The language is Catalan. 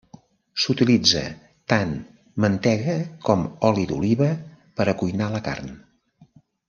S'utilitza tant mantega com oli d'oliva per a cuinar la carn.